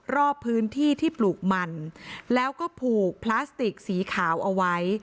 รอบพื้นที่ที่ปลูกมันแล้วก็ผูกพลาสติกสีขาวเอาไว้